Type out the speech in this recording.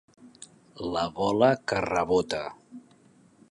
La bola que rebota.